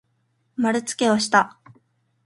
まるつけをした。